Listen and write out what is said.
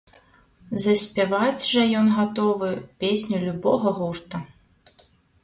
Заспяваць жа ён гатовы песню любога гурта.